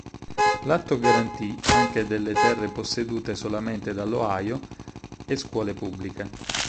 L'atto garantì anche delle terre possedute solamente dall'Ohio e scuole pubbliche.